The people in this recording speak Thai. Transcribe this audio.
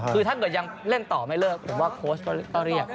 คือถ้าเกิดยังเล่นต่อไม่เลิกผมว่าโค้ชก็เรียก